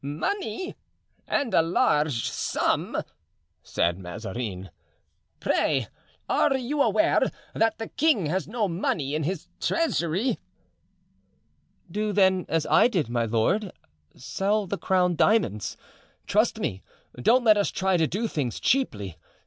Money! and a large sum!" said Mazarin. "Pray, are you aware that the king has no money in his treasury?" "Do then as I did, my lord. Sell the crown diamonds. Trust me, don't let us try to do things cheaply.